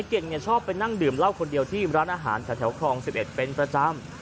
เก่งชอบไปนั่งดื่มเหล้าคนเดียวที่ร้านอาหารแถวครอง๑๑เป็นประจำ